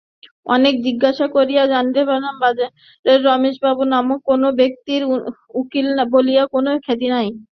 অনেককেই জিজ্ঞাসা করিয়া জানিল, বাজারে রমেশবাবু-নামক কোনো ব্যক্তির উকিল বলিয়া কোনো খ্যাতি নাই।